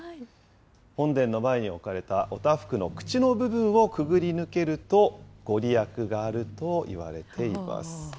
本殿の前に置かれたお多福の口の部分をくぐり抜けると、御利益があるといわれています。